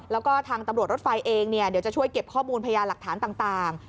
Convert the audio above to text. แล้วก็ทางตำรวจรถไฟเองเดี๋ยวจะช่วยเก็บข้อมูลพญาหลักฐานต่าง